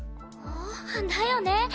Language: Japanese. だよね？